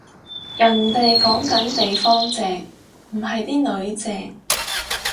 人哋講緊地方正，唔係啲囡正